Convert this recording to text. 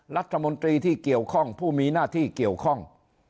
รัฐมนตรีที่เกี่ยวข้องผู้มีหน้าที่เกี่ยวข้อง